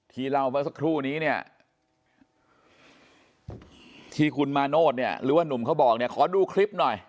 ทีเล่าเมื่อสักครู่นี้ที่คุณมาโน้ตหรือหนุ่มเขาบอกขอดูคลิปหน่อย